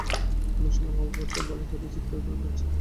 আমি শুনলাম, আমার বাচ্চা গলা ফাটিয়ে চিৎকার করে কাঁদছে।